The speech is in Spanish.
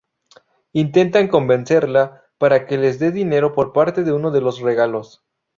Intentan convencerla para que les de dinero por parte de uno de los "regalos".